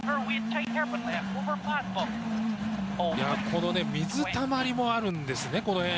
この水たまりもあるんですね、この辺。